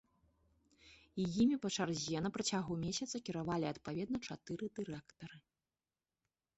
Імі па чарзе на працягу месяца кіравалі адпаведна чатыры дырэктары.